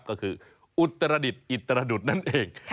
ก็คืออุตรดิษฐ์อิตรดุษนั่นเอง